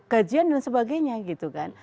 kajian dan sebagainya gitu kan